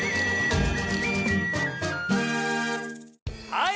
はい！